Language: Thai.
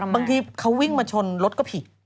บางทีเขาวิ่งมาชนรถก็ผิด